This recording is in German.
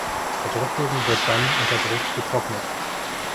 Der Druckbogen wird dann unter Druck getrocknet.